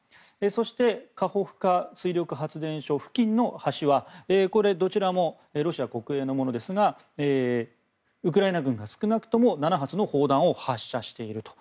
そしてカホフカ水力発電所付近の橋はこれ、どちらもロシア国営のものですがウクライナ軍が少なくとも７発の砲弾を発射していると。